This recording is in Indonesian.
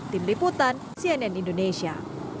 tim liputan cnn indonesia